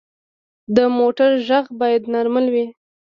د موټر غږ باید نارمل وي.